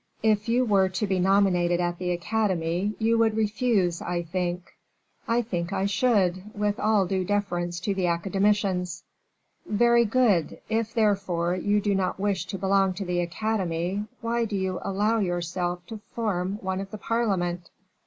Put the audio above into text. "If you were to be nominated at the Academy, you would refuse, I think." "I think I should, with all due deference to the academicians." "Very good; if, therefore, you do not wish to belong to the Academy, why do you allow yourself to form one of the parliament?"